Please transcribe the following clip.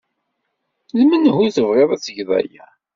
D menhu tebɣiḍ ad tgeḍ aya?